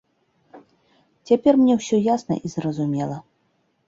Цяпер мне ўсё ясна і зразумела.